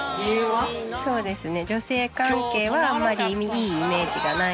そうですね。